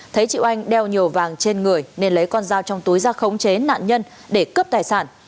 thấy chị oanh đeo nhiều vàng trên người nên lấy con dao trong túi ra khống chế nạn nhân để cướp tài sản